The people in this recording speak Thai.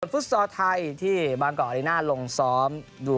วันฟุตซอสไทยที่บางกรอรินาลงซ้อม